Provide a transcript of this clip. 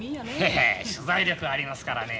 ヘヘッ取材力ありますからね。